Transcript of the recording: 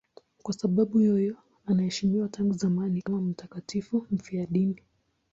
Kwa sababu hiyo anaheshimiwa tangu zamani kama mtakatifu mfiadini.